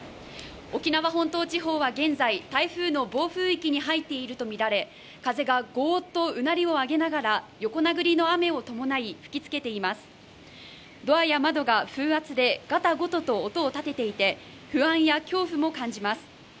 沖縄本島地方では現在台風の暴風域に入っているとみられ、風がごーっとうなりを上げながら横殴りの雨を伴い吹きつけています、ドアや窓が風圧でガタゴトと音を立てていて、不安や恐怖も感じます。